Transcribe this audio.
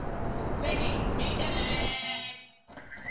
ぜひ見てね！